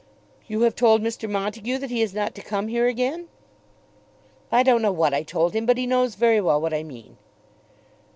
"You have told Mr. Montague that he is not to come here again?" "I don't know what I told him, but he knows very well what I mean."